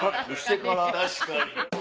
確かに。